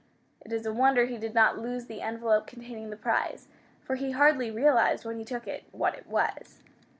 It is a wonder he did not lose the envelope containing the prize, for he hardly realized when he took it what it was.